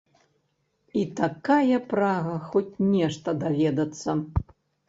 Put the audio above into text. І такая прага хоць нешта даведацца.